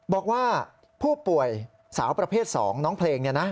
บอกว่าผู้ป่วยสาวประเภท๒น้องเพลงเนี่ยนะ